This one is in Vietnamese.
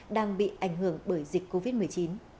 đang bị ảnh hưởng bởi dịch covid một mươi chín